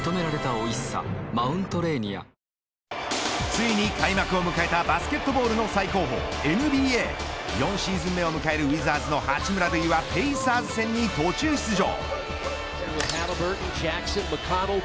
ついに開幕を迎えたバスケットボールの最高峰ＮＢＡ４シーズン目を迎えるウィザーズの八村塁はペイサーズ戦に途中出場。